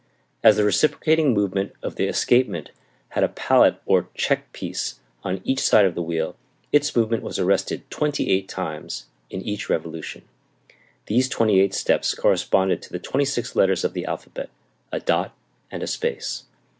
As the reciprocating movement of the escapement had a pallet or check piece on each side of the wheel, its movement was arrested twenty eight times in each revolution. These twenty eight steps correspond to the twenty six letters of the alphabet, a dot and a space.